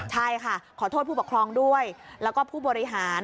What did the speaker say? ใช่ค่ะขอโทษผู้ปกครองด้วยแล้วก็ผู้บริหาร